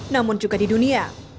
namun juga di dunia